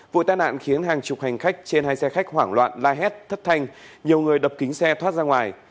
vụ tai nạn khiến hàng chục hành khách trên hai xe khách hoảng loạn la hét thất thanh nhiều người đập kính xe thoát ra ngoài